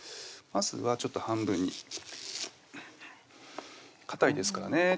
まずはちょっと半分にかたいですからね